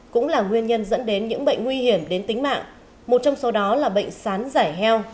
cũng là nguyên nhân dẫn đến những bệnh nguy hiểm đến tính mạng một trong số đó là bệnh sán giải heo